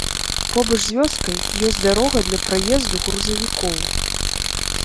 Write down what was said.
Побач з вёскай ёсць дарога для праезду грузавікоў.